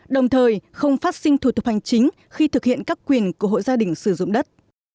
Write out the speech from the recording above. đồng thời không phát sinh thủ tục hành chính khi thực hiện các quyền của hộ gia đình sử dụng đất